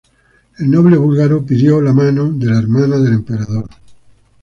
El noble búlgaro pidió la mano de la hermana del emperador.